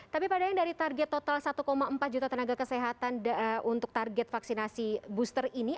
tapi pak daeng dari target total satu empat juta tenaga kesehatan untuk target vaksinasi booster ini